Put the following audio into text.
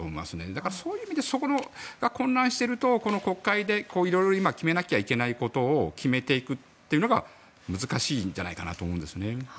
だから、そういう意味でそこが混乱していると国会でいろいろ今決めなきゃいけないことを決めていくというのが難しいんじゃないかなと思うんですよね。